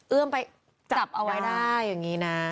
เอื้อมไปจับเอาไว้ได้อย่างนี้นะ